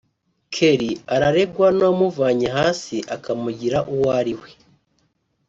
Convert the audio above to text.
Kelly araregwa n’uwamuvanye hasi akamugira uwo ari we